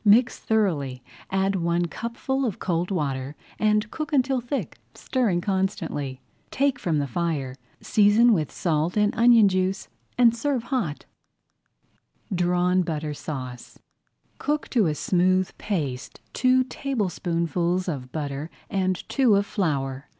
Mix thoroughly, add one cupful of cold water, and cook until thick, stirring constantly. Take from the fire, season with salt and onion juice, and serve hot. DRAWN BUTTER SAUCE Cook to a smooth paste two tablespoonfuls of butter and two of flour.